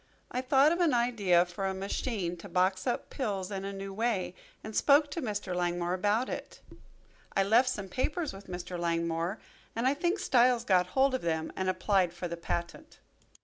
I thought of an idea for a machine to box up pills in a new way, and spoke to Mr. Langmore about it. I left some papers with Mr. Langmore and I think Styles got hold of them and applied for the patent.